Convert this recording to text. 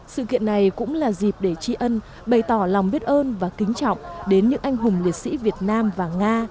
sự kiện này cũng là dịp để tri ân bày tỏ lòng biết ơn và kính trọng đến những anh hùng liệt sĩ việt nam và nga